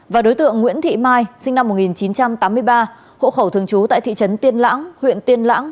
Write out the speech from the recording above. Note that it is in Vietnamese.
và đối tượng nguyễn thị mai sinh năm một nghìn chín trăm tám mươi ba hộ khẩu thường trú tại thị trấn tiên lãng huyện tiên lãng